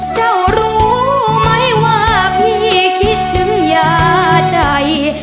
เจ้ารู้ไหมว่าพี่คิดถึงยาใจ